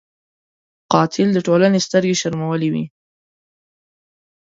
قاتل د ټولنې سترګې شرمولی وي